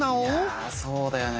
いやそうだよね